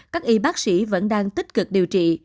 các y bác sĩ vẫn đang tích cực điều trị